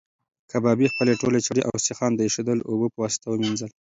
کبابي خپلې ټولې چړې او سیخان د ایشېدلو اوبو په واسطه ومینځل.